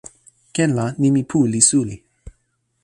ken la, nimi pu li suli.